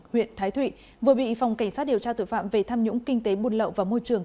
huyện thái thụy vừa bị phòng cảnh sát điều tra tội phạm về tham nhũng kinh tế buôn lậu và môi trường